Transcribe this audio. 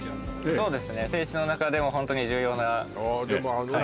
そうですね聖地の中でもホントに重要なええ